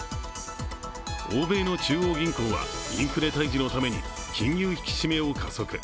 欧米の中央銀行はインフレ退治のために金融引き締めを加速。